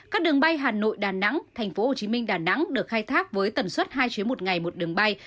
các đường bay hà nội đà nẵng tp hcm đà nẵng được khai thác với tần suất hai chuyến một ngày một đường bay